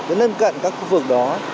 ở gần gần các khu vực đó